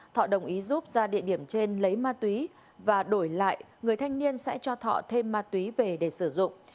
thọ đồng ý giúp ra địa điểm trên lấy ma túy và đổi lại người thanh niên sẽ cho thọ thêm ma túy về để sử dụng